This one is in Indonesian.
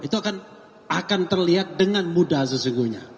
itu akan terlihat dengan mudah sesungguhnya